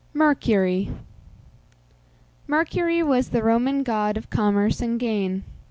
MERCURY. Mercury was the Roman god of commerce and gain.